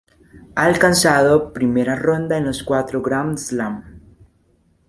Ha alcanzado primera ronda en los cuatro Grand Slam.